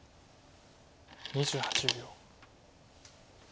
２８秒。